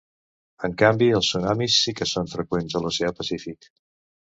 En canvi, els tsunamis sí que són freqüents a l'Oceà Pacífic.